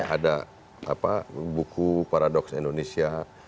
ada apa buku paradox indonesia